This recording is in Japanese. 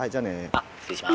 「あっ失礼しま」。